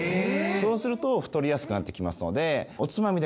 そうすると太りやすくなってきますので。